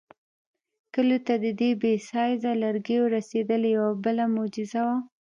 کلیو ته د دې بې سایزه لرګیو رسېدل یوه بله معجزه وه.